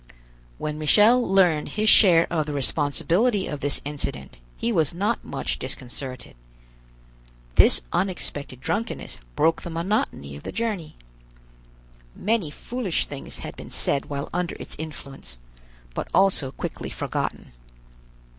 When Michel learned his share of the responsibility of this incident, he was not much disconcerted. This unexpected drunkenness broke the monotony of the journey. Many foolish things had been said while under its influence, but also quickly forgotten.